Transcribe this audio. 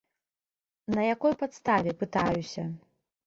На якой падставе, пытаюся.